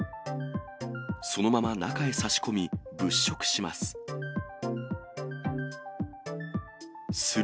そのまま中へ差し込み、物色します。